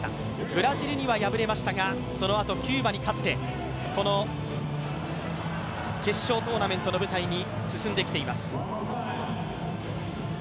ブラジルには敗れましたがそのあと、キューバに勝ってこの決勝トーナメントの舞台に進んできています。